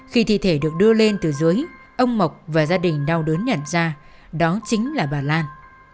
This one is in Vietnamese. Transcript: khi thi thể được đưa lên từ dưới ông mộc và gia đình đau đớn nhận ra đó chính là bà lan